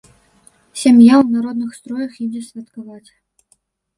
Сям'я ў народных строях ідзе святкаваць.